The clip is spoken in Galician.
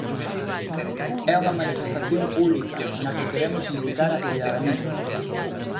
É unha manifestación pública, na que queremos implicar a cidadanía.